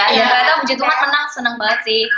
ternyata bu jatuh kan menang senang banget sih